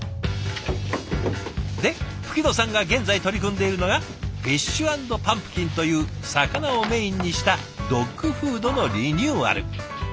で吹野さんが現在取り組んでいるのがフィッシュ＆パンプキンという魚をメインにしたドッグフードのリニューアル。